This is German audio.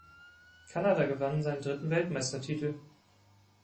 Kanada gewann seinen dritten Weltmeistertitel.